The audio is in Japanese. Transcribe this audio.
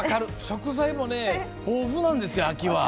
食材も豊富なんです、秋は。